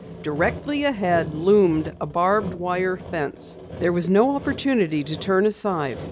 Directly ahead loomed a barbed wire fence. There was no opportunity to turn aside.